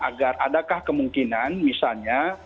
agar adakah kemungkinan misalnya